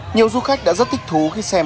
nhiều du khách đã rất thích thú khi xem